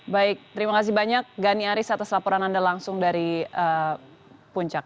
baik terima kasih banyak gani aris atas laporan anda langsung dari puncak